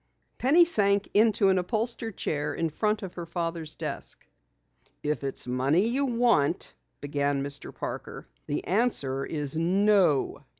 Penny sank into an upholstered chair in front of her father's desk. "If it's money you want," began Mr. Parker, "the answer is no!